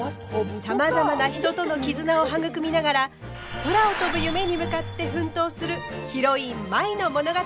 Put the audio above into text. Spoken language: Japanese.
さまざまな人との絆を育みながら空を飛ぶ夢に向かって奮闘するヒロイン舞の物語。